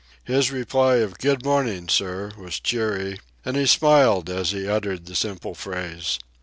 His reply of "Good morning, sir" was cheery, and he smiled as he uttered the simple phrase.